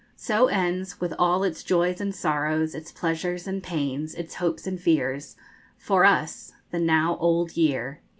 So ends, with all its joys and sorrows, its pleasures and pains, its hopes and fears, for us, the now old year, 1876.